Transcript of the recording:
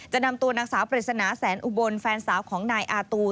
นำตัวนางสาวปริศนาแสนอุบลแฟนสาวของนายอาตู